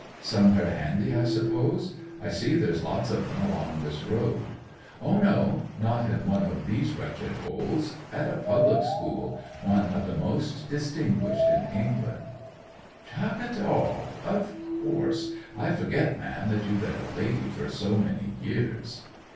'Somewhere handy, I suppose? I see there's lots on 'em along this road.' 'O no! Not in one of these wretched holes! At a public school—one of the most distinguished in England.' 'Chok' it all! of course! I forget, ma'am, that you've been a lady for so many years.